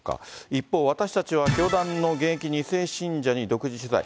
一方、私たちは教団の現役２世信者に独自取材。